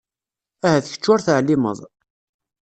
Ahat kečč ur teεlimeḍ